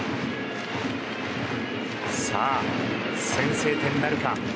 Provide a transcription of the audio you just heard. さあ、先制点なるか。